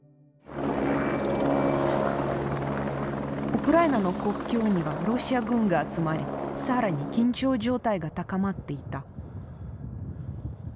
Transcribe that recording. ウクライナの国境にはロシア軍が集まり更に緊張状態が高まっていた。